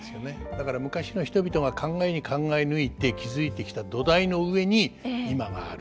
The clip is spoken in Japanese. だから昔の人々が考えに考え抜いて築いてきた土台の上に今があると。